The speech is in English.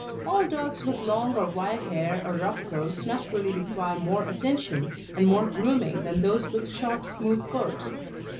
All dogs with long or wire hair or rough coats naturally require more attention, and more grooming than those with short smooth coats.